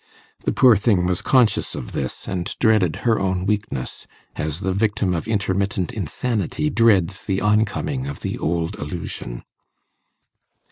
The poor thing was conscious of this, and dreaded her own weakness, as the victim of intermittent insanity dreads the oncoming of the old illusion.